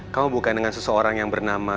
kamu bukan dengan seseorang yang bernama